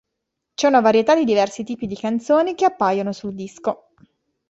C'è una varietà di diversi tipi di canzoni che appaiono sul disco.